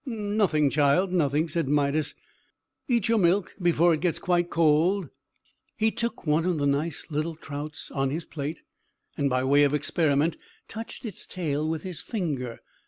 "Nothing, child, nothing!" said Midas. "Eat your milk, before it gets quite cold." He took one of the nice little trouts on his plate, and, by way of experiment, touched its tail with his finger.